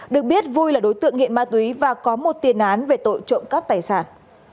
được biết vui là đối tượng nghiện ma túy và có một tiền án về tội trộm cắp tài sản